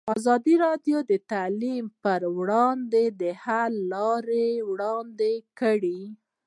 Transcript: ازادي راډیو د تعلیم پر وړاندې د حل لارې وړاندې کړي.